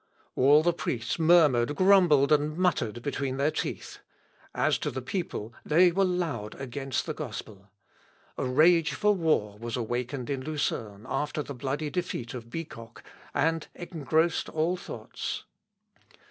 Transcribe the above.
All the priests murmured, grumbled, and muttered between their teeth. As to the people, they were loud against the gospel. A rage for war was awakened in Lucerne after the bloody defeat of Bicoque, and engrossed all thoughts.